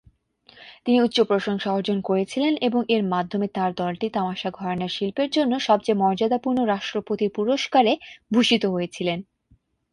তিনি উচ্চ প্রশংসা অর্জন করেছিলেন এবং এর মাধ্যমে তাঁর দলটি তামাশা ঘরানার শিল্পের জন্য সবচেয়ে মর্যাদাপূর্ণ রাষ্ট্রপতির পুরস্কারে ভূষিত হয়েছিলেন।